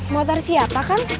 motor siapa kan